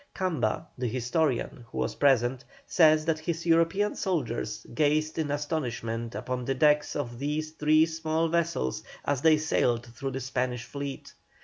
Camba, the historian, who was present, says that his European soldiers gazed in astonishment upon the decks of these three small vessels as they sailed through the Spanish fleet.